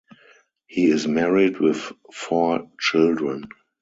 He is married with four children.